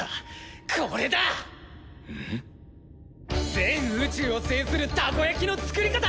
全宇宙を制するたこやきの作り方！